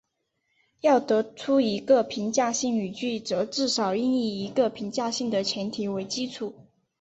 要得出一个评价性语句则至少应以一个评价性的前提为基础。